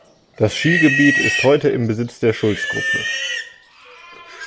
Das Skigebiet ist heute im Besitz der Schultz Gruppe.